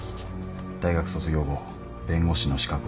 大学卒業後弁護士の資格を取得。